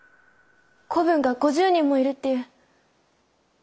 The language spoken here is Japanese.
子分が５０人もいるっていう。